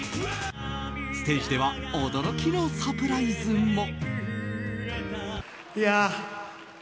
ステージでは驚きのサプライズも。